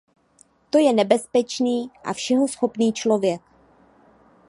To je nebezpečný a všeho schopný člověk.